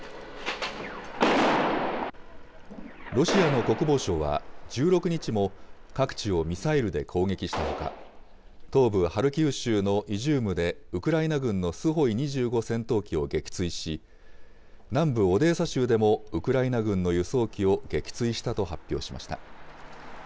ロシアの国防省は、１６日も各地をミサイルで攻撃したほか、東部ハルキウ州のイジュームでウクライナ軍のスホイ２５戦闘機を撃墜し、南部オデーサ州でもウクライナ軍の輸送機を撃墜したと発表しました。